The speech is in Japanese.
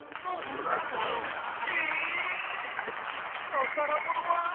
たからものは！？